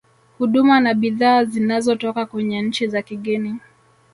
huduma na bidhaa zinazotoka kwenye nchi za kigeni